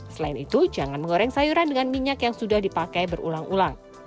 selain itu jangan mengoreng sayuran dengan minyak yang sudah dipakai berulang ulang